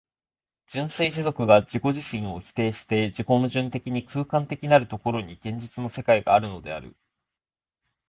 純粋持続が自己自身を否定して自己矛盾的に空間的なる所に、現実の世界があるのである。